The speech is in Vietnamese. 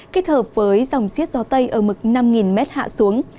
kết hợp với dòng siết gió tây ở mực năm m hạ xuống